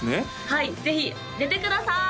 はいぜひ出てください！